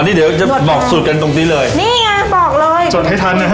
นี่เดี๋ยวจะบอกสูตรกันตรงนี้เลยนี่ไงบอกเลยสดให้ทันนะฮะ